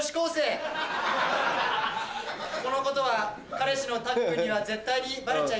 このことは彼氏のたっくんには絶対にバレちゃいけない。